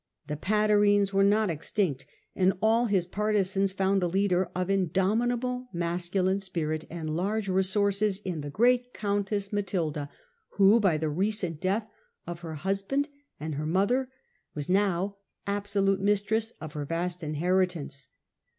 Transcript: The Patarines were not extinct, and all his partisans found a leader of indomitable, masculine spirit, and large resources, in the great countess Matilda, who, by the recent death of her husband and her mother, was now absolute mistress of her vast inheritance.